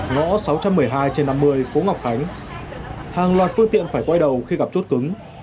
ngõ sáu trăm một mươi hai trên năm mươi phố ngọc khánh hàng loạt phương tiện phải quay đầu khi gặp chốt cứng